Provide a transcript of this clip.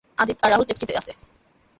আদিত আর রাহুল ট্যাক্সিতে আছে।